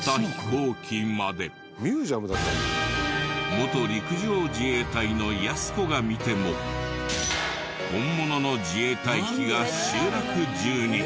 元陸上自衛隊のやす子が見ても本物の自衛隊機が集落中に。